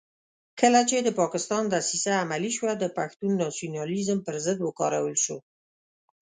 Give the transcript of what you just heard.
کله چې د پاکستان دسیسه عملي شوه د پښتون ناسیونالېزم پر ضد وکارول شو.